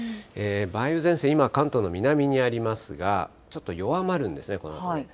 梅雨前線、今、関東の南にありますが、ちょっと弱まるんですね、このあと。